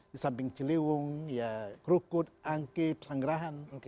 di samping ciliwung ya krukut angke pesanggerahan